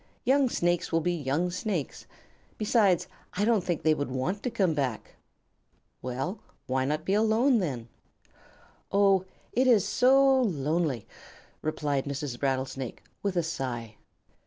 Young Snakes will be young Snakes. Besides, I don't think they would want to come back." "Well, why not be alone, then?" "Oh, it is so lonely," replied Mrs. Rattlesnake, with a sigh.